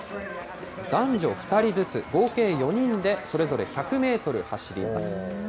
男女２人ずつ、合計４人で、それぞれ１００メートル走ります。